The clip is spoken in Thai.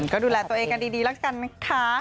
ก็ดูแลตัวเองกันดีลักษณะค่ะ